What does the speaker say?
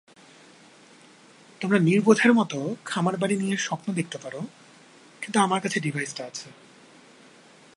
তোমরা নির্বোধের মতো খামারবাড়ি নিয়ে স্বপ্ন দেখতে পারো, কিন্তু আমার কাছে ডিভাইসটা আছে!